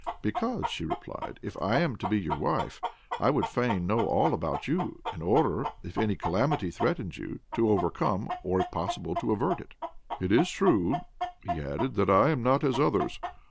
"Because," she replied, "if I am to be your wife, I would fain know all about you, in order, if any calamity threatens you, to overcome, or if possible to avert it." "It is true," he added, "that I am not as others.